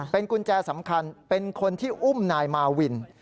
เป็นกุญแจสำคัญเป็นคนที่อุ้มนายมาวิน